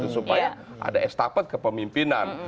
supaya ada estafet kepemimpinan